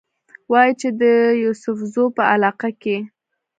وايي چې د يوسفزو پۀ علاقه کښې